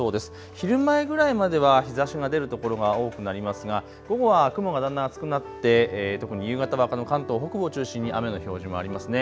昼前ぐらいまでは日ざしが出る所が多くなりますが午後は雲がだんだん厚くなって特に夕方は関東北部を中心に雨の表示もありますね。